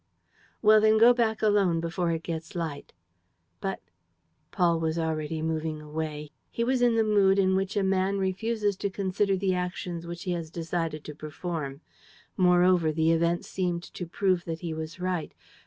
"Well, then go back alone before it gets light." "But ..." Paul was already moving away. He was in the mood in which a man refuses to consider the actions which he has decided to perform. Moreover, the event seemed to prove that he was right.